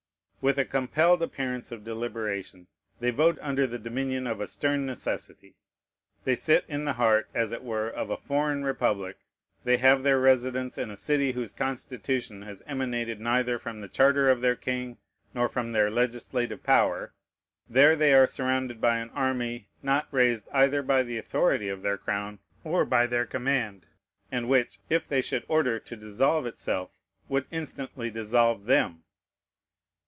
With a compelled appearance of deliberation, they vote under the dominion of a stern necessity. They sit in the heart, as it were, of a foreign republic: they have their residence in a city whose constitution has emanated neither from the charter of their king nor from their legislative power. There they are surrounded by an army not raised either by the authority of their crown or by their command, and which, if they should order to dissolve itself, would instantly dissolve them.